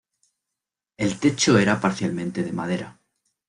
El techo era parcialmente de madera.